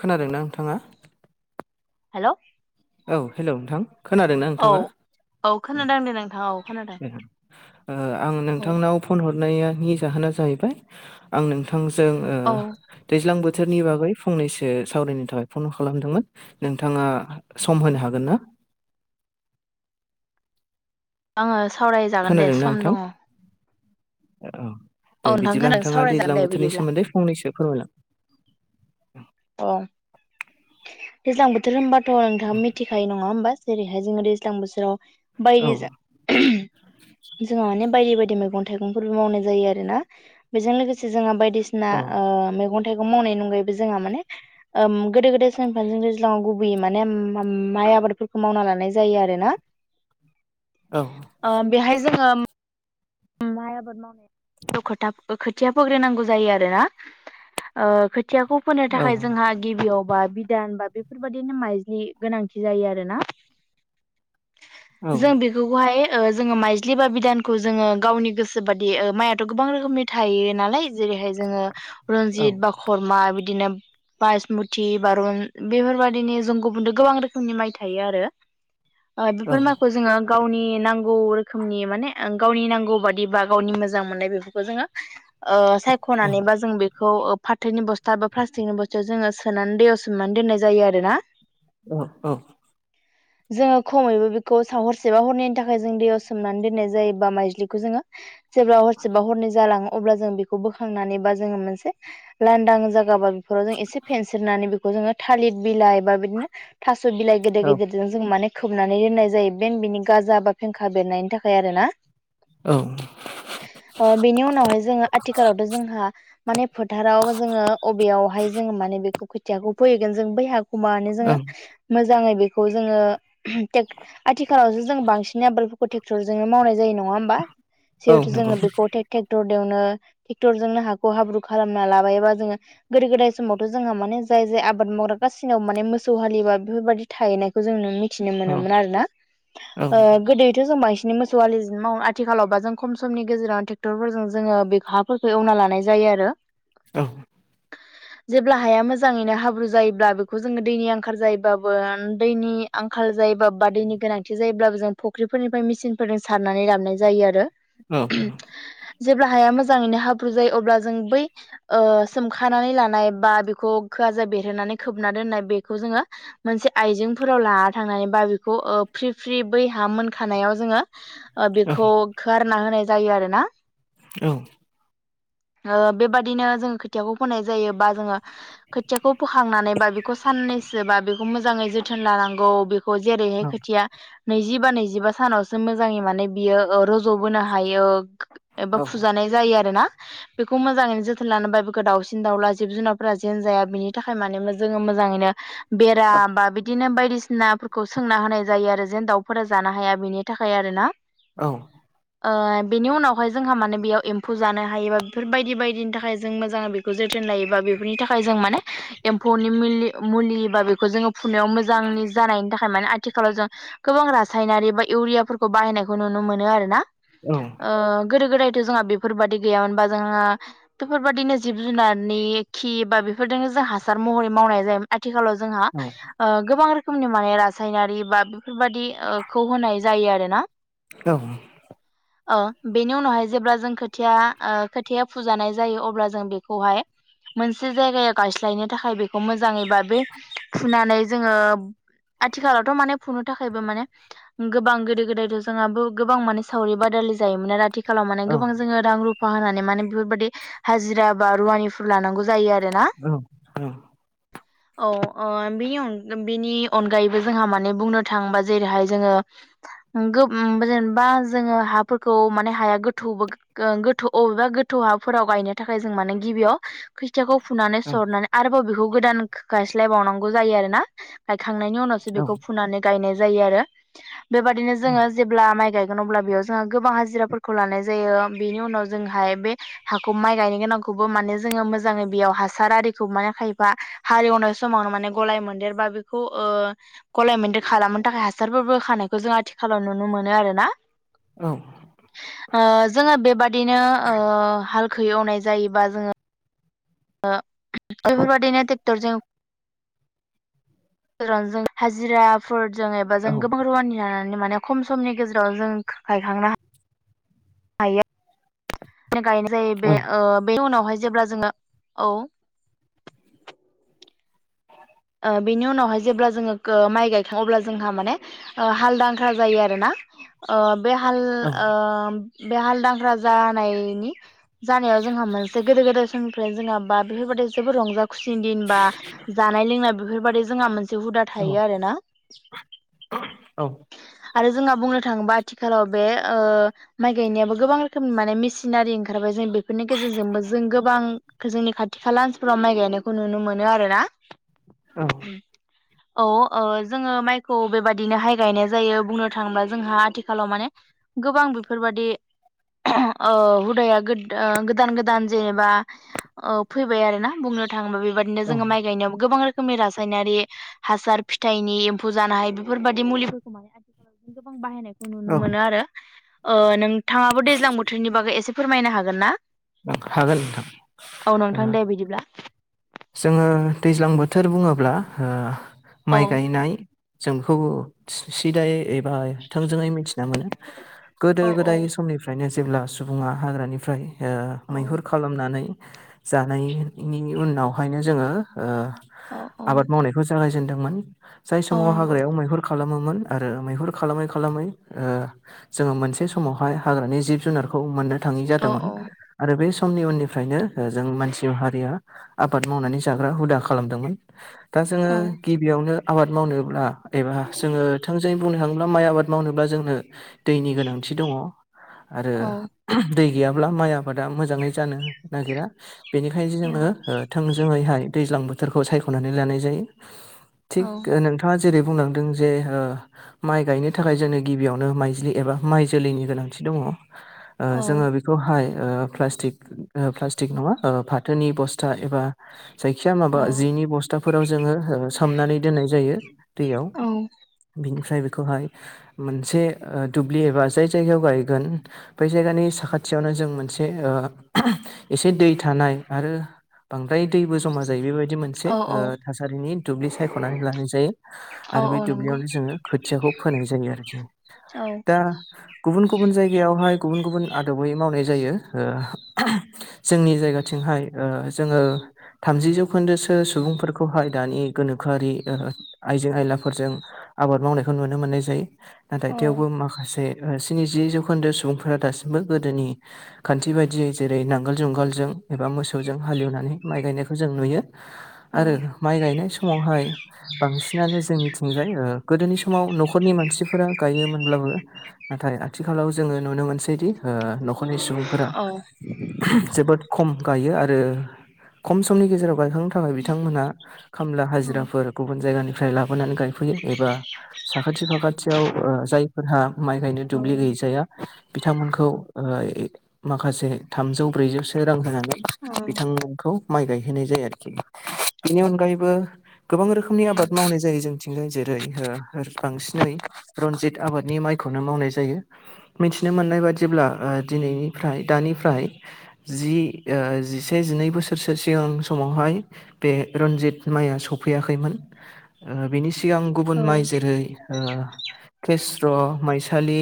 खोनादों ना नोंथाङा। हेलोव औ हेलोव नोंथां खोनादोंना औ नोंथाङा औ खोनादों दे नोंथां औ। खोनादों ओ आं औ नोंथांनाव फन हरनायानि जाहोना जाहैबाय आं नोंथांजों ओ औ दैज्लां बोथोरनि बागै फंनैसो सावरायनो थाखाय फन खालामदोंमोन। नोंथाङा सम होनो हागोन ना। आङो सावरायजागोन दे खोनादोंना सम नोंथां दङ। औ औ दे नोंथां बिदिब्ला खोनादों नोंथाङा सावरायजागोन दैज्लां दे बोथोरनि बिदिब्ला सोमोन्दै फंनैसो फोरमायलां अ दैज्लां बोथोर होमबाथ' नोंथाङा मिथिखायो नङा होमबा जेरैहाय जोङो दैज्लां बोथोराव औ बायदिजों जोंहा माने बायदि बायदि मैगं थाइगंफोरबो मावनाय जायो आरो ना बेजों लोगोसे जोंहा बायदिसिना औ ना ओ मैगं -थाइगं मावनाय अनगायैबो जोंहा माने ओम गोदो-गोदाय [unintelligible] दैज्लाङाव गुबैयै माने माइ आबादफोरखौ मावना लानाय जायो आरो ना। औ ओ बेहाय जोङो माइआबाद माव खोथा खोथिया फोग्रोनांगौ जायो आरो ना ओ खोथियाखौ फोनो औ थाखाय जोंहा गिबियाव बा बिदान बा बेफोरबायदिनो माइज्लि गोनांथि जायो आरोना। औ जों बेखौफोरखौहाय ओ जोङो माइज्लि बा बिदानखौ जोङो गावनि गोसो बादि ओ माइथ' गोबां रोखोमनि थायो नालाय जेरैहाय जोङो औ रनजित बा हरमा बिदिनो बायेसमुथि बारुन बेफोरबादिनि जों गुबुन गोबां रोखोमनि माइ थायो आरो। ओ औ बेफोर माइखौ जोङो गावनि नांगौ रोखोमनि माने गावनि नांगौ बादि बा गावनि मोजां मोननाय बेफोरखौ जोङो ओ सायख'नानै बा जों खौ फाथोनि बस्था बा प्लास्टिकनि बस्था जोङो सोनानै दैयाव सोमनानै दोननाय जायो आरो ना। औ औ। जोङो खमैबो बेखौ साव हरसेबा हरनैनि थाखाय जों दैयाव सोमनानै दोननाय जायो बा माइज्लि जोङो जेब्ला हरसेबा हरनै अब्ला जों बे खौ बोखांनानै बा जों मोनसे लांदां जागा बा बेफोराव एसे फेनस्रोनानै बे खौ जोङो थालिर बिलाइ बा बिदिनो थास' बिलाइ औ गेदेर गेदेर जों माने खोबनानै दोननाय जायो बेन बिनि गाजा बा फेंखा बेरनायनि थाखाय आरो ना। औ। ओ बेनि उनावहाय जोङो आथिखालावथ' जोंहा माने फोथाराव जोङो अबेयावहाय जोङो माने बेखौ खोथियाखौ फैहैगोन जों बैहाखौ माने औ जोङो मोजाङै बेखौ जोङो टेक आथिखालावसो जों बांसिन आबादफोरखौ ट्रेक्टरजोंनो मावनाय जायो नङा होमबा। औ जिहेथु नंगौ जोङो बेखौे ट्रेक्ट'र देवनो ट्रेक्टरजोंनो हाखौ हाब्रु खालामना लाबाय बा जोङो गोदो गोदाय समावथ' जोंहा माने जाय जाय आबाद मावग्रा गासिनाव माने मोसौ हालिबा बेफोरबायदि थाहैनायखौ जों मिथिनो औ मोनोमोन आरोना औ ओ गोदोथ' जों मा नि मोसौ हालिजोंनो मावो आथ थिखालावबा जों खम समनि गेजेरावनो ट्रेक्टरफोरजों जोङो बे हाफोरखौ एवना लानाय जायो आरो। औ। जेब्ला हाया मोजाङैनो हाब्रु जायोब्ला बेखौ जोङो दैनि आंखार जायोबाबो दैनि आंखाल जायोबा बा दैनि गोनांथि जायोब्लाबो जों फुख्रिफोरनिफ्राय मेसिनफोरजों सारनानै लाबनाय जायो आरो। औ। जेब्ला हाया मोजाङैनो हाब्रु जायो अब्ला जों बै ओ सोमखानानै लानाय बा बेखौ खोआ जे बेरहोनानै खोबना दोननाय बेखौ जोङो मोनसे आइजेंफोराव लाना थांनानै बा बेखौ फ्रि फ्रि बै ह मोनखानायाव जोङो औ बेखौ खारना होनाय जायो आरो ना। औ। बेबादिनो जोङो खोथियाखौ फोननाय जायो बा जोङो खोथियाखौ फोखांनानै बा बेखौ साननैसोबा बेखौ मोजाङै जोथोन लानांगौ। बेखौ जेरैहाय औ खोथिया नैजिबा नैजिबा सानावसो मोजाङै माने बियो रज'बोनो हायो एबा फुजानाय जायो आरो ना। बेखौ मोजाङैनो जोथोन लानो बाय बेखौ दाउसिन दाउला जिब जुनारफोरा जेन जाया बिनि थाखाय माने मोजां जोङो मोजाङैनो बेरा औ बा बिदिनो बायदिसिना खौ सोंना होनाय जायो आरो जेन दाउफोरा जानो हाया बेनि थाखाय आरो ना। औ। ओ बेनि उनावहाय जोंहा माने बेयाव एम्फौ जानो हायोबा बेफोर बायदि बायदिनि थाखाय जों मोजां जोथोन लायोबा बेफोरनि थाखाय जों माने एम्फौनि मुलि-मुलि बा बेखौ जोङो फुनायाव मोजांनि जानायनि थाखाय माने आथिखालाव जों गोबां रासायनारि बा इउरियाफोरखौ बाहायनायखौ नु मो नुनो मोनो आरो ना। औ। ओ गोदो गोदायथ' जोंहा बेफोरबादि गैयामोनबा जोंहा बेफोरबादिनो जिब जुनारनि खि बा बेफोरजोंनो जों हासार महरै मावनाय जायो। आथिखालाव जोंहा औ गोबां रोखोमनि माने रासायनारि बा बेफोरबादि खौ होनाय जायो आरो ना औ। ओ बेनि उनावहाय ओ जेब्ला जों खोथाया खोथाया फुजानाय जायो अब्ला जों बेखौहाय मोनसे जायगायाव गायस्लायनो थाखाय बेखौ मोजाङै बा बे फुनानै जोङो आथिखालावथ' माने फुंनो थाखायबो माने गोबां गोदो गोदायथ' जोङाबो गोबां माने सावरि बादालि जायोमोन आरो आथिखालाव मान गोबां जोङो रां रुफा होनानै माने बेफोरबादि हाजिरा बा रुवानिफोर लानांगौ जायो आरो ना। औ औ। औ बेनि बेनि अनगायैबो जोंहा माने बुंनो थाङोबा जेरैहाय जोङो उम गोब ओं बा जोङो हाफोरखौ माने हाया गोथौ गोथौ अबेबा गोथौ हाफोराव गायनो थाखाय जों माने गिबियाव खोथियाखौ फुनानै सरनानै आरोबाव बेखौ गोदान गायस्लायबावनांगौ जायो आरोना गायखांनायनि उनावसो बेखौ फुनानै गायनाय जायो आरो बेबायदिनो जोङो जेब्ला माइ गायगोन अब्ला बेयाव जोंहा गोबां हाजिराफोरखौ लानाय जायो बेनि उनाव जोंहाय बे हाखौ माइ गायनो गोनांखौबो माने जोङो मोजाङै बेयाव हासार आरिखौ माने खायफा हारिवनाय समावनो माने गलाय मोनदेरबा बेखौ ओ गलायमोनदेर खालामनो थाखाय हासारफोरबो होखानायखौ जों आथिखालाव नुनो मोनो आरो ना। औ। ओ जोङो बेबादिनो ओ हालखो एवनाय जायोबा जोङो बेफोरबायाददिनो ट्रेक्टरजों गोरानजों हाजिराफोर जों एबा जों गोबां रुवानि लानानै माने खम समनि गेजेराव जों गायखांनो हा हायो गायनाय जायो बे ओ बेनि उनावहाय जेब्ला जोङो औ। ओ बिनि उनावहाय जेब्ला जोङो माइ गायखाङो अब्ला जोंहा माने हालदांख्रा जायो आरो ना। ओ बे हाल ओ बे हालदांख्रा जानायनि जानायाव जोंहा मोनसे गोदो गोदाय समनिफ्राय जोंहा बा बेफोरबायाददि जोबोद रंजा खुसिनि दिन बा जा नाय लोंनाय बेफोरबादि जोंहा मोनसे हुदा थायो आरोना। आरो जोंहा बुंनो थाङोबा आथिखालाव बे ओ माइ गायनायाबो गोबां रोखोमनि माने मेसिनारि ओंखारबाय जों बेफोरनि गेजेरजोंबो जों गोबां जोंनि खाथि खाला ओनसोलफोराव माइ गायनायखौ नुनो मोनो आरो ना। औ। औ ओ जोङो माइखौ बेबादिनोहाय गायनाय जायो बुंनो थाङोब्ला जोंहा आथिखालाव माने गोबां बेफोरबादि ओ हुदाया गोद-ओ गोदान गोदान जेनेबा ओ फैबाय आरो ना बुंनो थाङोबा बेबाददिनो औ जोङो माइ गायनायाव गोबां रो खोमनि रासायनारि हासार फिथाइनि एम्फौ जानो हायो बेफोरबादि मुलिफोरखौ माने आथिखालाव गोबां बाहायनाय नुनो औ मोनो आरो ओ नोंथाङाबो दैज्लां बोथोरनि बागै एसे फोरमायनो हागोन ना? हागोन नोंथां औ ओ नोंथां दे बिदिब्ला जोङो दैज्लां बोथोर बुङोब्ला ओ औ माइ गायनाय जों बेखौ सिदायै एबा थोंजोङै मिथिना मोनो गोदो औ औ गोदाय समनि फ्रायनो जेब्ला सुबुङा हाग्रानिफ्राय ओ औ मैहुर खालामनानै जानायनि उनावहायनो जोङो ओ औ औ आबाद मावनायखौ जागायजेनदोंमोन। जाय औ समाव नंगौ हाग्रायाव मैहुर खालामोमोन आरो मैहुर खालामै खालामै ओ जोङो मोनसे समावहाय हाग्रानि जिब जुनारखौ मोननो थाङै औ जादोंमोन आरो बे समनि उननिफ्रायनो जों मानसि हारिया आबाद मावनानै जाग्रा हुदा खालामदोंमोन दा जोङो औ गिबियावनो आबाद मावनोब्ला एबा जोङो थोंजोङै बुंनो थाङोब्ला माइ आबाद मावनोब्ला जोंनो दैनि गोनांथि दङ। आरो औ दै गैयाब्ला माइ आबादा मोजाङै जानो नागिरा। बेनिखायनो जोङो औ थोंजोङैहाय दैज्लां बोथोरखौ सायख'नानै लानाय जायो। औ थिग नोंथाङा जेरै बुंलांदों जे ओ माइ गायनो थाखाय जोंनो गिबियावनो माइज्लि एबा माइ जोलैनि गोनांथि दङ‌। ओ औ जोङो बेखौहाय प्लास्टिक प्लास्टिक नङा फाथोनि बस्था एबा जायखिया औ माबा जिनि बस्थाफोराव जोङो सोमनानै दोननाय जायो। दैयाव औ बिनिफ्राय बेखौहाय मोनसे दुब्लि एबा जाय जायगायाव गायगोन बै जायगानि साखाथियावनो जों मोनसे ओ एसे दै थानाय आरो बांद्राय दैबो जमा जायो बेबायदि मोनसे औ औ थासारिनि दुब्लि सायख'नानै लानाय जायो। औ आरो औ बे नंगौ दुब्लियावनो जोङो खोथियाखौ फोनाय जायो आरोखि। औ दा गुबुन- गुबुन जायगायावहाय गुबुन- गुबुन आदबै मावनाय जायो। जोंनि जायगाथिंहाय जोङो थामजि जौखोन्दोसो सुबुंफोरखौहाय दानि गोनोखोआरि आइजें आयलाफोरजों आबाद मावनायखौ नुनो मोननाय जायो। नाथाय औ थेवबो माखासे स्निजि जौखोन्दो सुबुंफोरा दासिमबो गोदोनि खान्थि बायदियै जेरै नांगोल जुंगालजों एबा मोसौजों हालेवनानै माइ गायनायखौ जों नुयो। औ आरो माइ गायनाय समावहाय बांसिनानो जोंनिथिंजाय गोदोनि समाव न'खरनि मानसिफोरा गायोमोनब्लाबो नाथाय आथिखालाव जोङो नुनो मोनसैदि ओ न'खरनि सुबुंफोरा जोबोद खम गायो आरो खम समनि गेजेराव गायखां थाखाय बिथांमोनहा खामला औ हाजिराफोर गुबुन जायगानिफ्राय लाबोनानै गायफैयो एबा साखाथि फाखाथियाव ओ जायफोरहा माइ गायनो दुब्लि गैयैजाया बिथांमोनखौ ओ ए माखासे थामजौ ब्रैजौसो रां होनानै [inaudible] बिथांमोनखौ माइ गायहोनाय जायो आरोखि। बेनि अनगायैबो गोबां रोखोमनि आबाद मावनाय जायो जोंथिंजाय जेरै ओ बांसिनै रनजित आबादनि माइखौनो मावनाय जायो। मिथिनो मोननाय बादिब्ला ओ दिनैनिफ्राय दानिफ्राय जि ओ जिसे से जिनै बोसोरसो सिगां समावहाय बे रन्जित माइया सफैयाखैमोन। ओ बिनि सिगां गुबुन माइ जेरै ओ खेस्र' माइसालि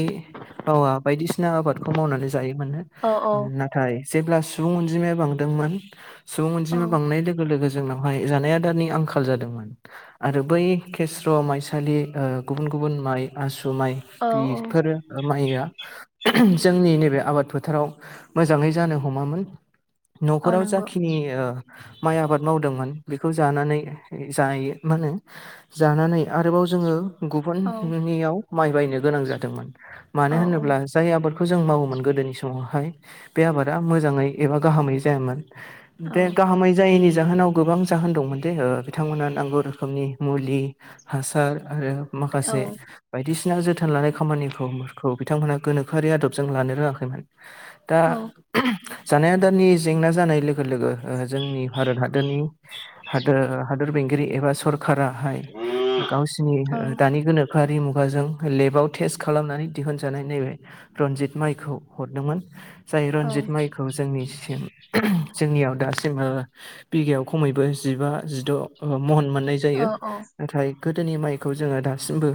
बावा बायदिसिना आबादखौ मावनानै जायो मोननो। नाथाय जेब्ला सुबुं अनजिमाया बांदोंमोन सुबुं अनजिमाया बांनाय लोगो- लोगो जोंनावहाय जानाय आदारनि आंखाल जादोंमोन। आरो बै खेस्र' माइसालि ओ गुबुन -गुबुन माइ आसु माइ औ बिफोर माइया जोंनि नैबे आबाद फोथाराव मोजाङै जानो हमामोन। न'खराव नंगौ जाखिनि ओ माइ आबाद मावदोंमोन बेखौ जानानै जायो। मा होनो जानानै आरोबाव जोङो। औ नंगौ औ गुबुननियाव माइ बायनो गोनां जादोंमोन। मानो औ होनोब्ला जाय आबादखौ जों मावोमोन गोदोनि समावहाय बे आबादा मोजाङै एबा गाहामै जायामोन। बे औ गाहामै जायैनि जाहोनाव गोबां जाहोन दंमोन दे बिथांमोनहा नांगौ रोखोमनि मुलि हासार आरो औ माखासे बायदिसिना जोथोन लानाय खामानिखौबोखौ बिथांमोनहा गोनोखोआरि आदबजों लानो रोङाखैमोन। दा औ जानाय आदारनि जेंना जानाय लोगो- लोगो ओ जोंनि भारत हाद दोनि हादोर हादोर बेंगिरि एबा सर काराहाय गावसिरनि दानि गोनो हारि मुगाजों लेबाव टेस्ट खालामनानै दिहुनजानाय नायबाय रनजित माइखौ हरदोंमोन। जाय रनजित माइखौ जोंनि सिम जोंनियाव दासिम ओ बिघायाव खमैबो जिबा जिद' महनमोन। नाय जायो नाथाय गोदोनि माइखौ जोङो दासिमबो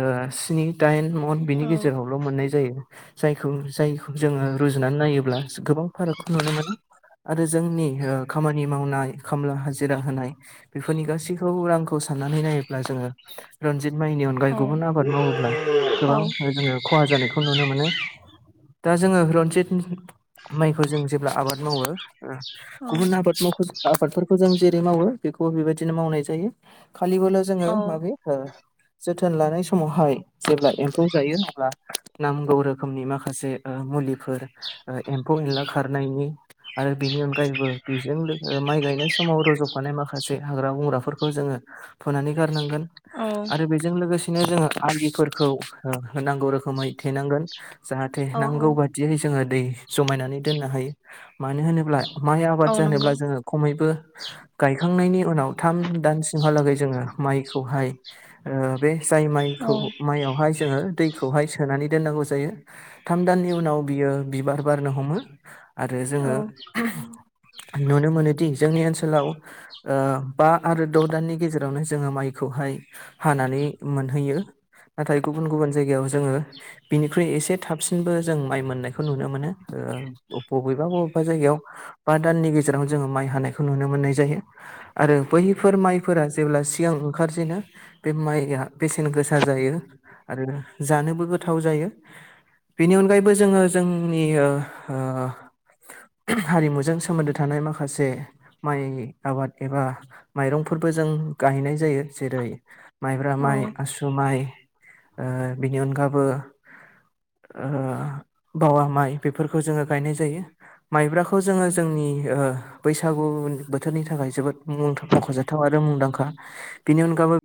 ओ स्नि दाइन मन बिनि गेजेरावल' मोननाय जायो। जायखौ जाय जोङो रुजुनानै नायोब्ला जो गोबां फारागखौ नुनो मोनो। आरो जोंनि ओ खामानि मावनाय खामला हाजिरा होनाय बेफोरनि गासैखौबो रांखौ सान्नानै नायोब्ला जोङो। रनजित माइनि अनगायै गुबुन आबाद मावोब्ला गोबां जोङो। खहा जानायखौ नुनो मोनो दा जोङो रन्जित [unintelligible] माइ फोर जों जेब्ला आबाद मावो ओ गुबुन आबाद मावख जो आबादफोरखौ जों जेरै मावो बेखौ बेबायदिनो मावनाय जायो खालिबोल' जोङो माबे ओ जोथोन लानाय समावहाय जेब्ला एम्फौ जायो अब्ला नांगौ रोखोमनि माखासे ओ मुलिफोर ओ एम्फौ एनला खारनायनि आरो बेनि अनगायैबो बेजों लोगो माइ गायनाय समाव रज'फानाय माखासे जे हाग्रा बंग्राफोरखौ जोङो फुनानै गारनांगोन आरो बे जों लोगोसेनो जोङो आलिफोरखौ हो-होनांगौ रोखोमै थेनांगोन। जाहाथे नांगौ बादियै जोङो दै जमायनानै दोननो हायो। मानो होनोब्ला माइ आबाद औ जानोब्ला नंगौ जोङो खमैबो गायखांनायनि उनाव थाम दान सिमहालागै जोङो माइखौहाय बे जाय माइखौ माइयावहाय जोङो। दैखौहाय सोनानै दोननांगौ जायो थाम दाननि उनाव बियो बिबार बारनो हमो। [unintelligible] आरो जोङो नुनो मोनोदि जोंनि ओनसोलाव बा आरो द' दाननि गेजेरावनो जोङो माइखौहाय हानानै मोनहैयो नाथाय गुबुन गुबुन जायगायाव जोङो। बिनिख्रुइ एसे थाबसिनबो जों माइ मोननायखौ नुनो मोनो। [inaudible] बबेबा बबेबा जायगायाव बा दाननि गेजेराव जोङो माइ हानायखौ नुनो मोननाय जायो। आरो बैफोर माइफोरा जेब्ला सिगां ओंखारजेनो बे माइया बेसेन गोसा जायो आरो जानोबो गोथाव जायो। बेनि अनगायैबो जोङो जोंनि ओ ओ हारिमुजों सोमोन्दो थानाय माखासे माइ आबाद एबा माइरंफोरबो जों गायनाय जायो जेरै माइब्रा औ माइ औ आसु माइ ओ बिनि अनगाबो ओ बावा माइ बेफोर खौ जोङो गायनाय जायो। माइब्राखौ जोङो जोंनि बैसागु बोथोरनि थाखाय जोबोद मख'जाथाव आरो मुंदांखा बेनि अनगाबैबो